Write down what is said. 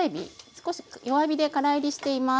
少し弱火でから煎りしています。